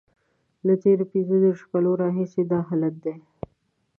له تېرو پنځه دیرشو کالو راهیسې دا حالت دی.